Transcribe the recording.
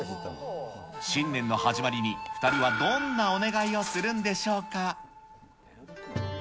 新年の始まりに２人はどんなお願いをするんでしょうか。